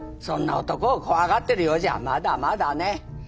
そんな男を怖がってるようじゃまだまだね。